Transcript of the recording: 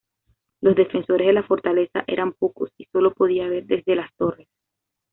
Los defensores de la fortaleza eran pocos y sólo podía ver desde las torres.